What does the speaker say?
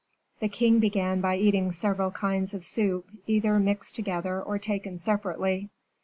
The king began by eating several kinds of soup, either mixed together or taken separately.